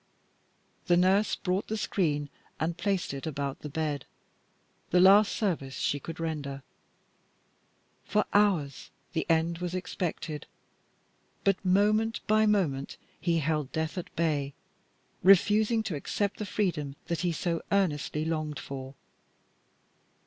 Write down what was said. The nurse brought the screen and placed it about the bed the last service she could render. For hours the end was expected, but moment by moment he held death at bay, refusing to accept the freedom that he so earnestly longed for.